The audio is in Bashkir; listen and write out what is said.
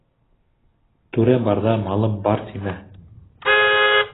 Түрә барҙа «малым бар» тимә